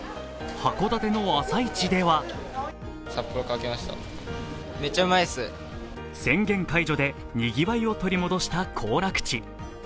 函館の朝市では宣言解除でにぎわいを取り戻した行楽地。